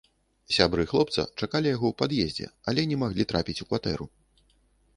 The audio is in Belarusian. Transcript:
Сябры хлопца чакалі яго ў пад'ездзе, але не маглі трапіць у кватэру.